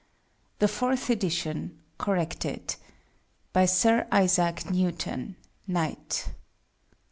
The FOURTH EDITION, corrected. By Sir ISAAC NEWTON, Knt.